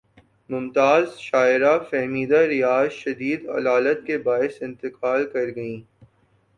ممتاز شاعرہ فہمیدہ ریاض شدید علالت کے باعث انتقال کر گئیں